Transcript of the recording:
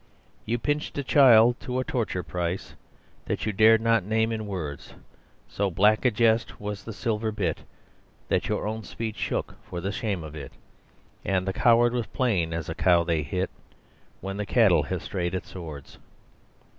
You pinched a child to a torture price That you dared not name in words; So black a jest was the silver bit That your own speech shook for the shame of it, And the coward was plain as a cow they hit When the cattle have strayed at Swords.